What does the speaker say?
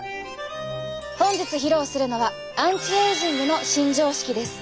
本日披露するのはアンチエイジングの新常識です。